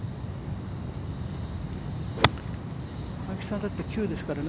青木さん、９ですからね